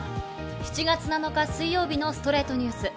７月７日、水曜日の『ストレイトニュース』。